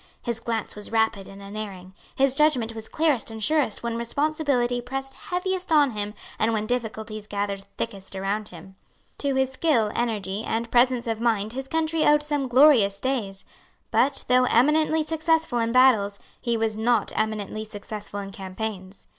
His glance was rapid and unerring. His judgment was clearest and surest when responsibility pressed heaviest on him and when difficulties gathered thickest around him. To his skill, energy and presence of mind his country owed some glorious days. But, though eminently successful in battles, he was not eminently successful in campaigns.